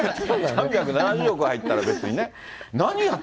３７０億入ったら、別にね。